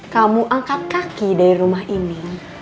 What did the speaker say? kamu angkat kaki dari rumah ini